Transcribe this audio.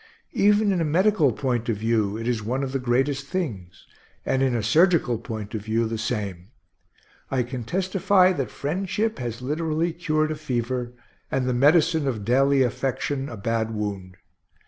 Even in a medical point of view it is one of the greatest things; and in a surgical point of view, the same. I can testify that friendship has literally cured a fever, and the medicine of daily affection, a bad wound.